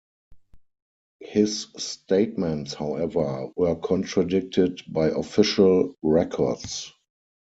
His statements however, were contradicted by official records.